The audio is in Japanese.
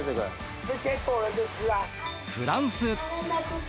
フランス。